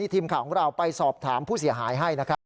ทีมข่าวของเราไปสอบถามผู้เสียหายให้นะครับ